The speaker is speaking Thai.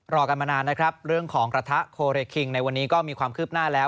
รอกันมานานนะครับเรื่องของกระทะโคเรคิงในวันนี้ก็มีความคืบหน้าแล้ว